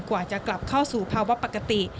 กว่าจะกลับเข้าสู่ภาวะปกติ